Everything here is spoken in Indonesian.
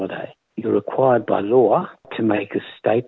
anda diperlukan oleh perintah untuk membuat pernyataan